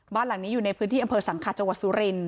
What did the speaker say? บ้านหลังนี้อยู่ในพื้นที่สังฆาตจวัส